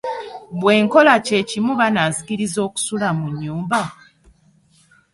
Bwenkola kyekimu banaanzikiriza okusula mu nyumba?